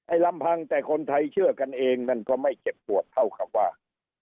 ลำพังแต่คนไทยเชื่อกันเองนั่นก็ไม่เจ็บปวดเท่ากับว่า